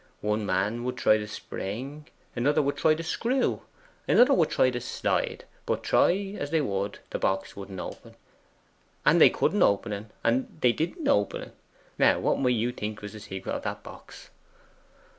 One man would try the spring, another would try the screw, another would try the slide; but try as they would, the box wouldn't open. And they couldn't open en, and they didn't open en. Now what might you think was the secret of that box?